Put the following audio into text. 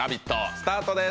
スタートです。